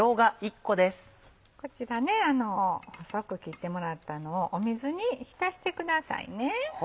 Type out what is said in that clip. こちら細く切ってもらったのを水に浸してください。